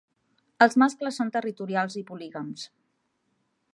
Els mascles són territorials i polígams.